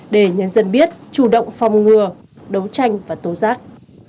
để nhân dân biết chủ động phòng ngừa đấu tranh và tố giác